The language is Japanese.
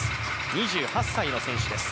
２８歳の選手です。